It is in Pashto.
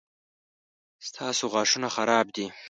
ستاسو غاښونه خراب دي